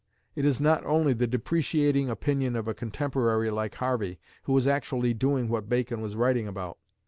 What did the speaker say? It is not only the depreciating opinion of a contemporary like Harvey, who was actually doing what Bacon was writing about.